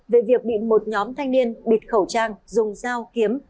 về việc bị một nhóm thanh niên bịt khẩu trang dùng dao kiếm